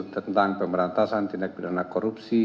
tentang pemberantasan tindak pidana korupsi